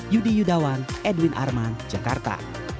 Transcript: yudi yudawan edwin arman jakarta